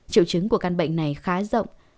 triệu chứng của căn bệnh này khá rộng